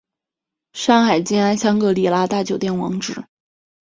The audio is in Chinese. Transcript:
上海静安香格里拉大酒店网址